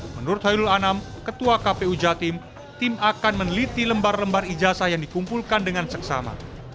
menurut khairul anam ketua kpu jatim tim akan meneliti lembar lembar ijazah yang dikumpulkan dengan seksama